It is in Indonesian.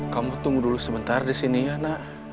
kamu tunggu dulu sebentar disini ya nak